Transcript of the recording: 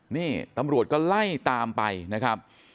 นี่ตำรวจก็ไล่ตามไปนะครับ